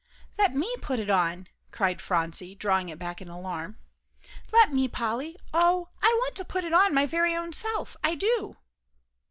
"Let me put it on," cried Phronsie, and drawing it back in alarm; "let me, Polly, oh, I want to put it on my very own self, I do!"